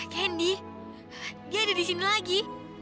candy dia ada disini lagi